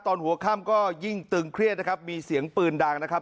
หัวค่ำก็ยิ่งตึงเครียดนะครับมีเสียงปืนดังนะครับ